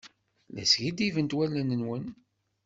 La skiddibent wallen-nwen.